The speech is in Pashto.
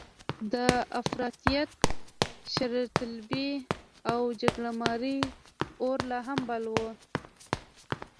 د افراطیت، شرطلبۍ او جګړه مارۍ اور لا هم بل و.